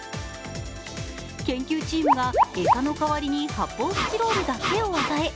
研究チームが餌の代わりに発泡スチロールだけを与え